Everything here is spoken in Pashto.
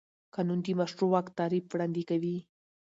قانون د مشروع واک تعریف وړاندې کوي.